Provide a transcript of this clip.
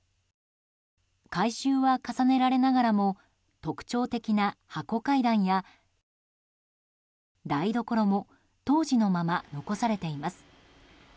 改修は重ねられながらも特徴的な箱階段や、台所も当時のまま、残されています。